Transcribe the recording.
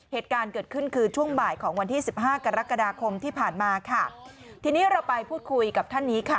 เหตุการณ์เกิดขึ้นคือช่วงบ่ายของวันที่สิบห้ากรกฎาคมที่ผ่านมาค่ะทีนี้เราไปพูดคุยกับท่านนี้ค่ะ